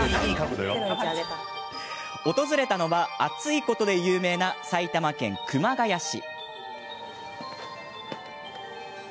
訪れたのは暑いことで有名な埼玉県熊谷市。